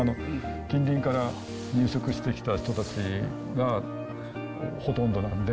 近隣から入植してきた人たちがほとんどなんで。